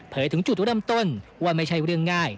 ถึงจุดเริ่มต้นว่าไม่ใช่เรื่องง่าย